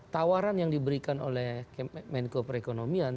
tawaran yang diberikan oleh menko perekonomian